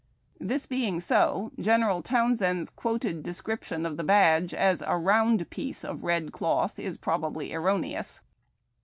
This being so. General Townsend's quoted descrip tion of the badge as "a round piece of red cloth " is probably erroneous.